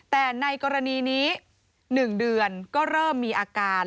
แต่ในกรณีนี้๑เดือนก็เริ่มมีอาการ